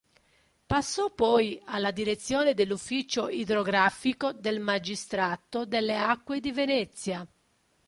Passò poi alla direzione dell'ufficio idrografico del Magistrato delle acque di Venezia.